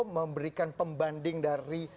memberikan pembanding dari